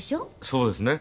そうですね。